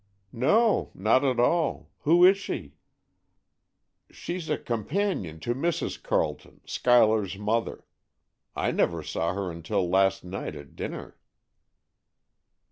"No, not at all. Who is she?" "She's a companion to Mrs. Carleton, Schuyler's mother. I never saw her until last night at dinner."